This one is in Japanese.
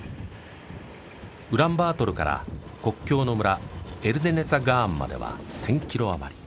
ウランバートルから国境の村エルデネツァガーンまでは１０００キロあまり。